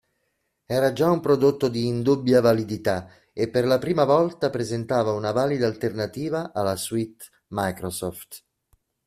Era già un prodotto di indubbia validità e per la prima volta presentava una valida alternativa alla suite Microsoft.